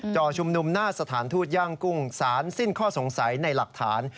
จอชุมนุมหน้าสถานทูตย่างกุ้งสารสิ้นข้อสงสัยในหลักฐาน